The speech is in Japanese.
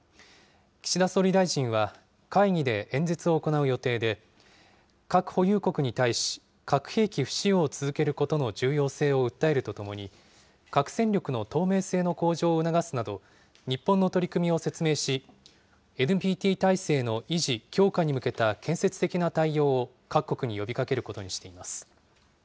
岸田総理大臣は会議で演説を行う予定で、核保有国に対し、核兵器不使用を続けることの重要性を訴えるとともに、核戦力の透明性の向上を促すなど、日本の取り組みを説明し、ＮＰＴ体制の維持・強化に向けた建設的な対応を各国に呼びかけることにしています。